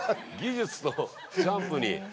技術とジャンプに。